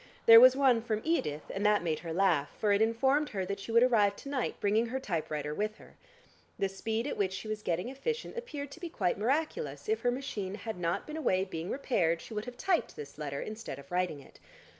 There was one from Edith, and that made her laugh, for it informed her that she would arrive to night bringing her typewriter with her. The speed at which she was getting efficient appeared to be quite miraculous, if her machine had not been away being repaired, she would have typed this letter instead of writing it.